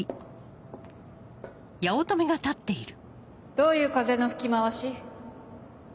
どういう風の吹き回し？